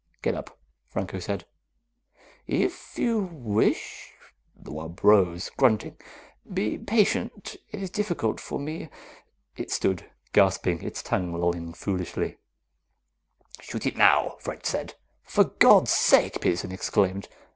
"Get up," Franco said. "If you wish." The wub rose, grunting. "Be patient. It is difficult for me." It stood, gasping, its tongue lolling foolishly. "Shoot it now," French said. "For God's sake!" Peterson exclaimed.